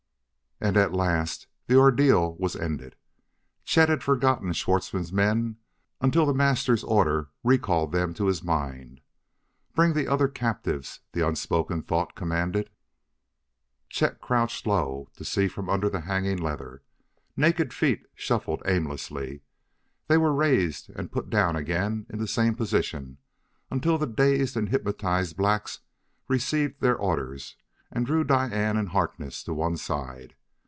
And at list the ordeal was ended. Chet had forgotten Schwartzmann's men until the "Master's" order recalled them to his mind. "Bring the other captives!" the unspoken thought commanded. Chet crouched low to see from under the hanging leather. Naked feet shuffled aimlessly; they were raised and put down again in the same position, until the dazed and hypnotized blacks received their orders and drew Diane and Harkness to one side.